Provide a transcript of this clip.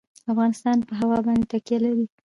افغانستان په هوا باندې تکیه لري.